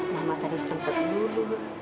mama tadi sempat duduk